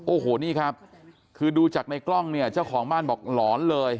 โอ้โหนี่ครับคือดูจากในกล้องเนี่ยเจ้าของบ้านบอกหลอนเลย